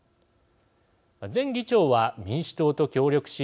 前議長は、民主党と協力し